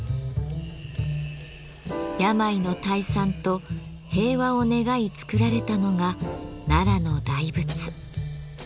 病の退散と平和を願い造られたのが奈良の大仏。